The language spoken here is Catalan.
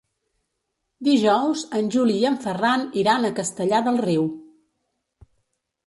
Dijous en Juli i en Ferran iran a Castellar del Riu.